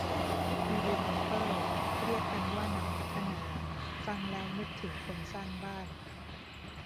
ดีวีลอปเปอร์ เรียกกันว่านักพัฒนา ฟังแล้วนึกถึงคนสร้างบ้าน